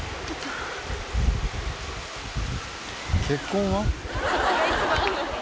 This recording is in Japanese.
「結婚は？」